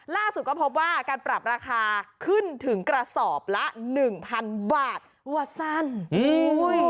ล่าสุดก็พบว่าการปรับราคาขึ้นถึงกระสอบละหนึ่งพันบาทวาสั้นโอ้ย